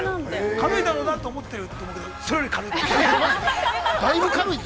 軽いだろうなと思ってると思うけど、それより軽い。